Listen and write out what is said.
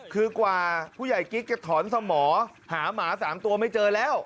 คือกว่าผู้ใหญ่กิ๊กจะถอนสมอหาหมา๓ตัวไม่เจอแล้ว